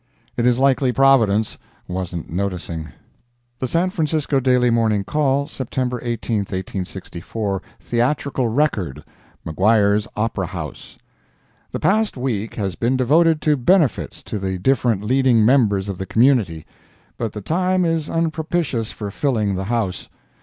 It is likely Providence wasn't noticing. The San Francisco Daily Morning Call, September 18, 1864 THEATRICAL RECORD MAGUIRE'S OPERA HOUSE.—The past week has been devoted to benefits to the different leading members of the community; but the time is unpropitious for filling the house.